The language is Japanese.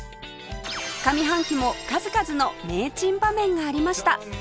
上半期も数々の名珍場面がありました